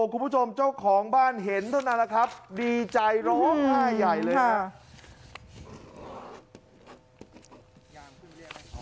คุณผู้ชมเจ้าของบ้านเห็นเท่านั้นแหละครับดีใจร้องไห้ใหญ่เลยครับ